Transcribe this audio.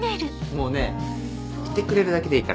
もうねいてくれるだけでいいから。